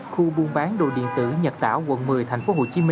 khu buôn bán đồ điện tử nhật tảo quận một mươi tp hcm